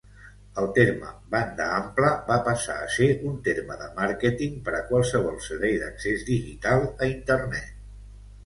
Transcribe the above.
El terme "banda ampla" va passar a ser un terme de màrqueting per a qualsevol servei d'accés digital a Internet.